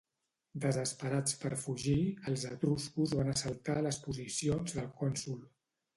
Desesperats per fugir, els etruscos van assaltar les posicions del cònsol.